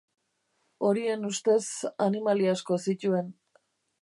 Horien ustez, animalia asko zituen.